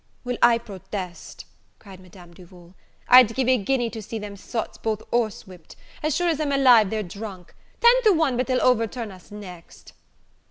"Well, I protest," cried Madame Duval, "I'd give a guinea to see them sots both horse whipped! As sure as I'm alive they're drunk! Ten to one but they'll overturn us next."